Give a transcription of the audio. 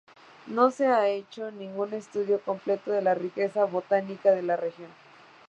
No se ha hecho ningún estudio completo de la riqueza botánica de la región.